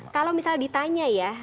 kalau misalnya ditanya ya